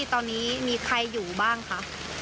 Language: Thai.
ตอนนี้มีใครอยู่บ้างคะ